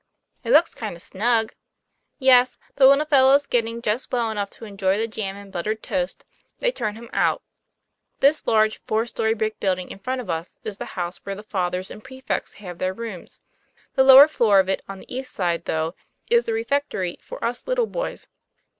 " It looks kind of snug." "Yes; but when a fellow's getting just well enough to enjoy the jam and buttered toast, they turn him out. This large four story brick building in front of us is the house where the fathers and prefects have their rooms. The lower floor of it on the east side, though, is the refectory for us little boys.